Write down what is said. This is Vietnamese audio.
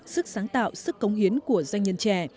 sức sáng tạo sức công hiến của doanh nhân trẻ